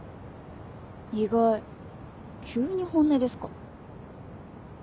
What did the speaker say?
意外急に本音ですか？